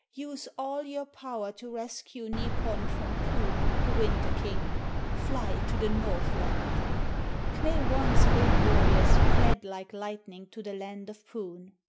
"Use all your power to rescue Nipon from Poon, the Winter King. Fly to the Northland!" K'me wan's wind warriors fled like lightning to the land of Poon.